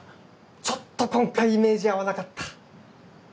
ちょっと今回イメージ合わなかった。